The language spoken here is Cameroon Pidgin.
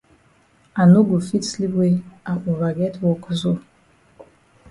I no go fit sleep wey I ova get wok so.